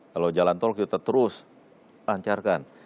kalau jalan tol kita terus pancarkan